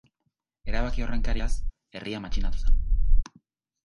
Erabaki horren kariaz, herria matxinatu zen.